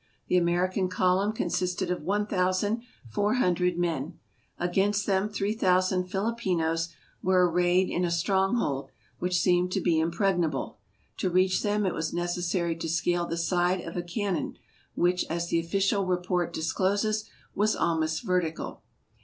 The American column consisted of 1,400 men. Against them 3,000 Filipinos were arrayed in a stronghold which seemed to be impregnable. To reach them it was necessary to scale the side of a canon, which, as the official report discloses, was almost vertical.